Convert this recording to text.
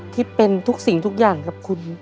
ที่เป็นทุกสิ่งทุกอย่างกับคุณ